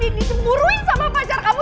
dan disemburui sama pacar kamu